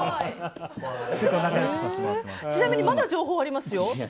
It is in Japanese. ちなみにまだ情報あります。